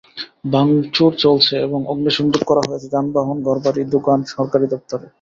ভাঙচুর চলেছে এবং অগ্নিসংযোগ করা হয়েছে যানবাহন, ঘরবাড়ি, দোকান, সরকারি দপ্তরে।